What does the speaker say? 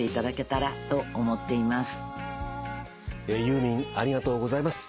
ユーミンありがとうございます。